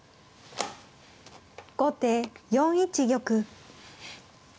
後手４一玉。